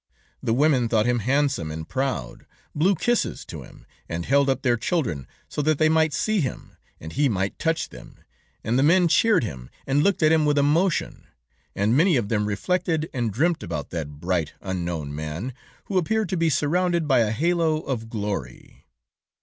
The women thought him handsome and proud, blew kisses to him, and held up their children so that they might see him, and he might touch them, and the men cheered him, and looked at him with emotion, and many of them reflected and dreamt about that bright, unknown man, who appeared to be surrounded by a halo of glory.